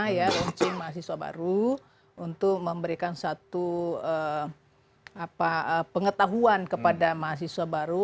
ya mungkin mahasiswa baru untuk memberikan satu pengetahuan kepada mahasiswa baru